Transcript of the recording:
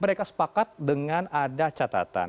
mereka sepakat dengan ada catatan